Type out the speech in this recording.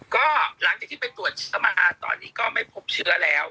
ก็หลังจากที่ไปตรวจสมอาตอนนี้ก็ไม่พบเชื้อแล้ว